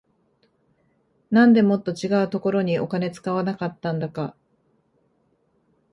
なんでもっと違うところにお金使わなかったんだか